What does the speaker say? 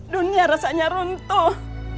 dunia rasanya runtuh